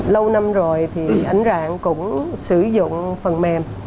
lâu năm rồi thì ảnh dạng cũng sử dụng phần mềm